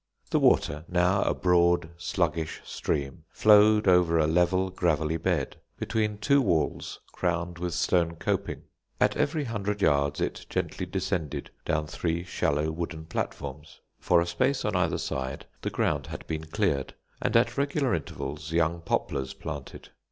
The water, now a broad, sluggish stream, flowed over a level, gravelly bed, between two walls crowned with stone coping. At every hundred yards it gently descended down three shallow wooden platforms. For a space on either side the ground had been cleared, and at regular intervals young poplars planted.